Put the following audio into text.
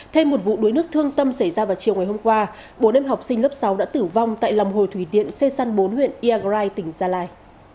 thêm một vụ đuối nước thương tâm xảy ra vào chiều ngày hôm qua bốn em học sinh lớp sáu đã tử vong tại lòng hồ thủy điện xê săn bốn huyện iagrai tỉnh gia lai